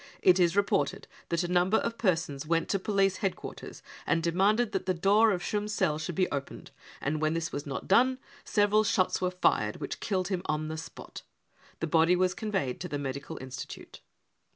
It is reported that a number of persons went to r MURDER police headquarters and demanded that the door of Schumm's cell should be opened, and when this was done, several shots were fired which killed him on the spot. The body was conveyed to the medical institute."